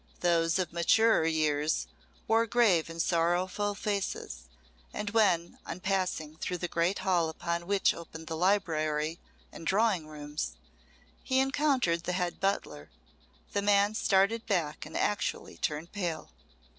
Those of maturer years wore grave and sorrowful faces, and when, on passing through the great hall upon which opened the library and drawing rooms he encountered the head butler, the man started back and actually turned pale.